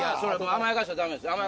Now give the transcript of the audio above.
甘やかしたらダメです！